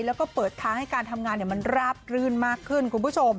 แล้วก็เปิดทางให้การทำงานมันราบรื่นมากขึ้นคุณผู้ชม